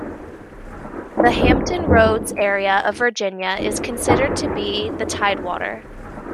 The Hampton Roads area of Virginia is considered to be in the Tidewater.